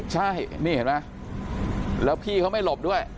ใช่นี่เห็นไหมแล้วพี่เขาไม่หลบด้วย